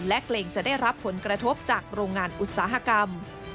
และเกรงจะได้รับผลกระทบจากโรงงานอุตสาหกรรม